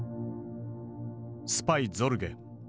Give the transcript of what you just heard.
「スパイ・ゾルゲ」。